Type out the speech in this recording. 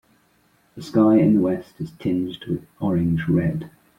The sky in the west is tinged with orange red.